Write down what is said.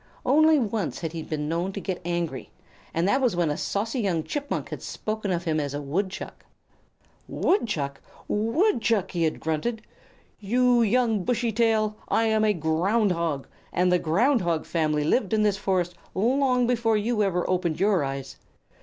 Only once had he been known to get angry, and that was when a saucy young Chipmunk had spoken of him as a Woodchuck. "Woodchuck! Woodchuck!" he had grunted. "You young Bushy tail, I am a Ground Hog, and the Ground Hog family lived in this forest long before you ever opened your eyes.